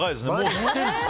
知ってるんですか。